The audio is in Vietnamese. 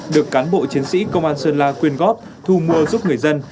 được cán bộ chiến sĩ công an sơn la quyên góp thu mua giúp người dân